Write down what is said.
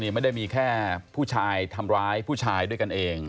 ไม่ได้มีแค่ผู้ชายทำร้ายผู้ชายด้วยกันเอง